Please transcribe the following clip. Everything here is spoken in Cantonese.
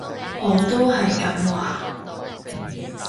我都係咁話